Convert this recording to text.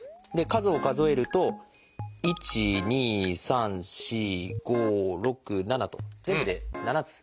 数を数えると１２３４５６７と全部で７つ。